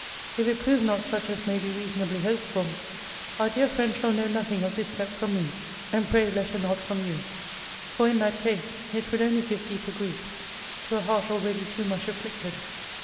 If it prove not such as may be reasonably hoped for, our dear friend shall know nothing of this step from me; and pray let her not from you. For, in that case, it would only give deeper grief to a heart already too much afflicted.